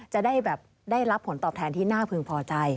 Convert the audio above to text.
จะได้รับผลตอบแทนที่น่าพึงพอใจ